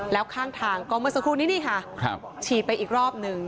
แล้วข้างทางก็เมื่อสักครู่นี้นี่ค่ะฉีดไปอีกรอบหนึ่ง